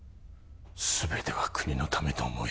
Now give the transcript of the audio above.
全ては国のためと思い